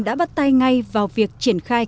đã bắt tay ngay vào việc triển khai